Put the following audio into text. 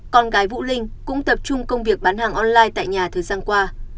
con gái vũ linh cũng tập trung công việc bán hàng online tại nhà thời gian qua